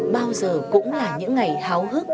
bao giờ cũng là những ngày háo hức